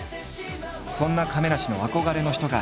そんな亀梨の憧れの人が。